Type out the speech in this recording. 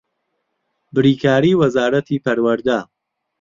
بریکاری وەزارەتی پەروەردە